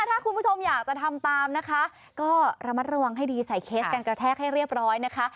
ถ้าคุณผู้ชมอยากจะทำตามนะคะก็ระมัดระวังให้ดีใส่เคสการกระแทกให้เรียบร้อยนะคะ